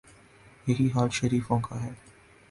یہی حال شریفوں کا ہے۔